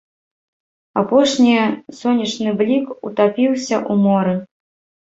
Апошні сонечны блік утапіўся ў моры.